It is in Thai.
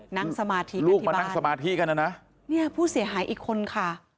นั่งสมาธิลูกมานั่งสมาธิกันนะนะเนี่ยผู้เสียหายอีกคนค่ะ